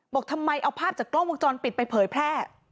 บอกทำไมเอาภาพจากกล้องวงจรปิดไปเผยแพร่